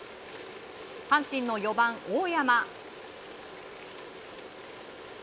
阪神の４番、大山。